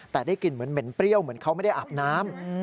แต่ได้กลิ่นเหมือนเหม็นเปรี้ยวเหมือนเขาไม่ได้อาบน้ำ